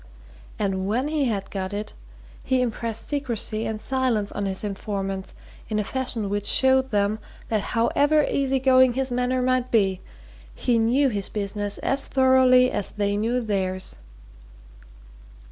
And when he had got it, he impressed secrecy and silence on his informants in a fashion which showed them that however easy going his manner might be, he knew his business as thoroughly as they knew theirs.